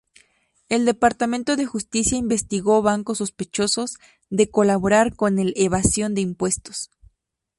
El Departamento de Justicia investigó bancos sospechosos de colaborar con el evasión de impuestos.